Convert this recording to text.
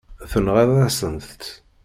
Tenɣiḍ-asent-tt.